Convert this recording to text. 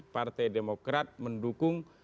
partai demokrat mendukung